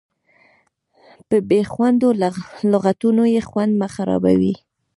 په بې خوندو لغتونو یې خوند مه خرابوئ.